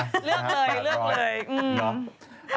เลือกเลยเลือกเลย